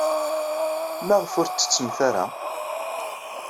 Maɣef ur tettettemt ara?